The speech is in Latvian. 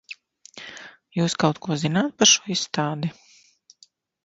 Jūs kaut ko zināt par šo izstādi?